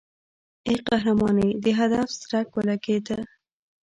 ای قهرمانې د هدف څرک ولګېد.